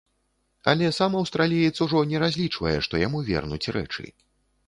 Але сам аўстраліец ужо не разлічвае, што яму вернуць рэчы.